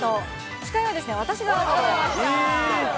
司会は私が務めました。